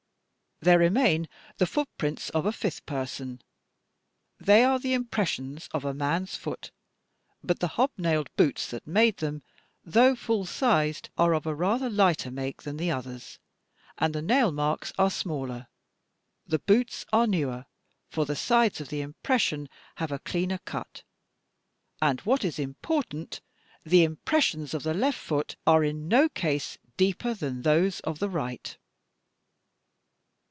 "There remain the footprints of a fifth person. They are the im pressions of a man's foot, but the hobnailed boots that made them, though full sized, are of a rather lighter make than the others, and the nail marks are smaller, the boots are newer, for the sides of the impression have a cleaner cut, and, what is important, the impres sions of the left foot are in no case deeper than those of the right."